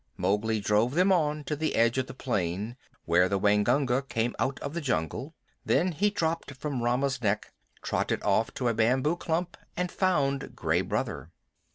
Mowgli drove them on to the edge of the plain where the Waingunga came out of the jungle; then he dropped from Rama's neck, trotted off to a bamboo clump, and found Gray Brother.